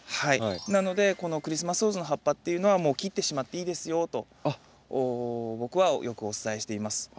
なのでこのクリスマスローズの葉っぱっていうのはもう切ってしまっていいですよと僕はよくお伝えしています。